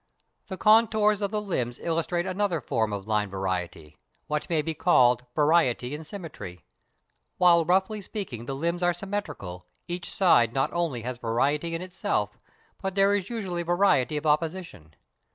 ] The contours of the limbs illustrate another form of line variety what may be called "Variety in Symmetry." While roughly speaking the limbs are symmetrical, each side not only has variety in itself, but there is usually variety of opposition.